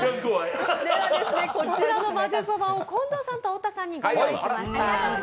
では、こちらのまぜそばを太田さんと近藤さんにご用意しました。